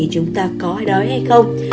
chúng ta có hay đói hay không